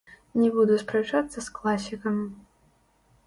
Не буду спрачацца з класікам.